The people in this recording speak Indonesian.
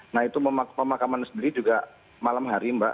nah itu pemakaman sendiri juga malam hari mbak